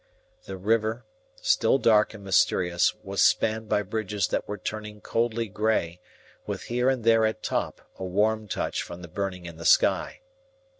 The river, still dark and mysterious, was spanned by bridges that were turning coldly grey, with here and there at top a warm touch from the burning in the sky.